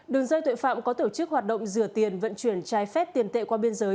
đường dây tội phạm có tổ chức hoạt động rửa tiền vận chuyển trái phép tiền tệ qua biên giới